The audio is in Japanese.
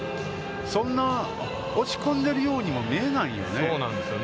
そんな押し込んでいるようにも見えないんよね。